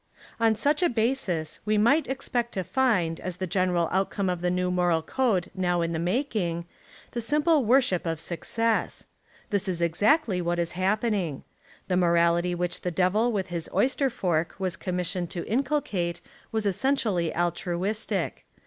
On such a basis, we might expect to find, as the general outcome of the new moral code now in the making, the simple worship of suc cess. This is exactly what is happening. The morality which the Devil with his oyster fork was commissioned to inculcate was essentially altruistic.